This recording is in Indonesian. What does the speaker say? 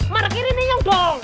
marah kiri nih yong dong